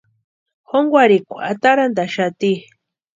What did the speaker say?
Jónkwarhikwa atarantʼaxati.